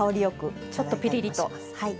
あっちょっとピリリと。